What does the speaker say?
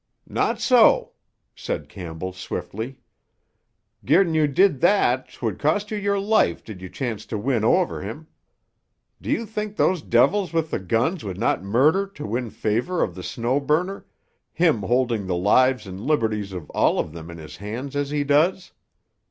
"Not so," said Campbell swiftly. "Gi'n you did that 'twould cost you your life did you chance to win o'er him. Do you think those devils with the guns would not murder to win favour of the Snow Burner, him holding the lives and liberty of all of them in his hands as he does?